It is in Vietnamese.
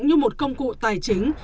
như một công cụ tài chính